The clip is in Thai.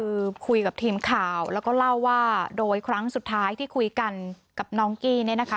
คือคุยกับทีมข่าวแล้วก็เล่าว่าโดยครั้งสุดท้ายที่คุยกันกับน้องกี้เนี่ยนะคะ